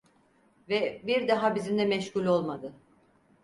Ve bir daha bizimle meşgul olmadı.